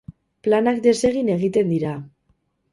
Planak desegin egiten dira.